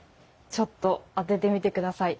ちょっと当ててみてください。